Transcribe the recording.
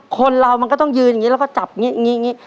คนเรามันก็ต้องยืนอย่างนี้แล้วก็จับอย่างนี้